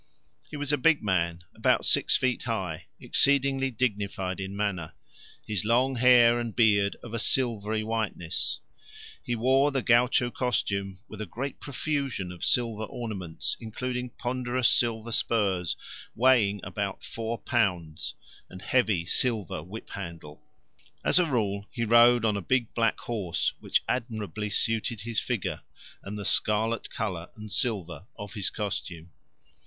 He was a big man, about six feet high, exceedingly dignified in manner, his long hair and beard of a silvery whiteness; he wore the gaucho costume with a great profusion of silver ornaments, including ponderous silver spurs weighing about four pounds, and heavy silver whip handle. As a rule he rode on a big black horse which admirably suited his figure and the scarlet colour and silver of his costume.